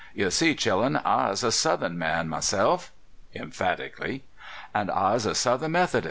Yer see, chillun, Ps a Soutliern man myself [emphatically], and Ps a South ern Methodis'.